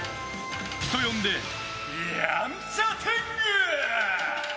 人呼んで、やんちゃ天狗！